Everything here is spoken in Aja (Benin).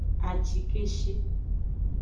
Acikeshi.